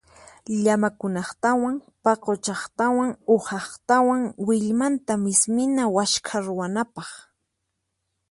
Llamakunaqtawan paquchaqtawan uhaqtawan willmanta mismina waskha ruwanapaq.